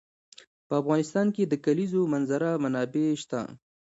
په افغانستان کې د د کلیزو منظره منابع شته.